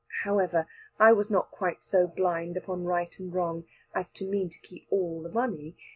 "[#] However, I was not quite so blind upon right and wrong, as to mean to keep all the money.